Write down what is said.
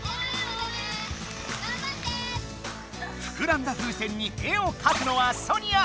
ふくらんだ風船に絵をかくのはソニア。